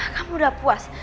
kamu udah puas